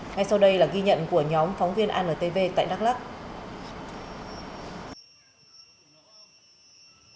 ngay sau đây là ghi nhận của nhóm phóng viên antv tại đắk lắc